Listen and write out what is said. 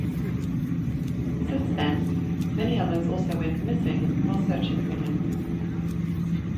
Since then, many others also went missing while searching for him.